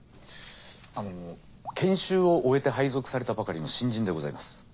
あの研修を終えて配属されたばかりの新人でございます。